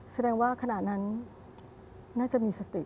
แสดงว่าขณะนั้นน่าจะมีสติ